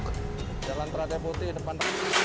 jalan prataya putih depan